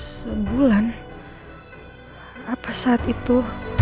sebulan apa saat itu